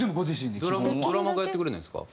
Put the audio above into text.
ドラマーがやってくれないんですか？